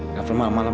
nggak film malem malem